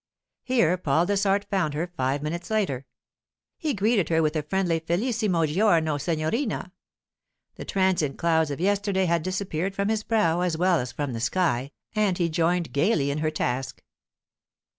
Here Paul Dessart found her five minutes later. He greeted her with a friendly, 'Felicissimo giorno, signorina!' The transient clouds of yesterday had disappeared from his brow as well as from the sky, and he joined gaily in her task.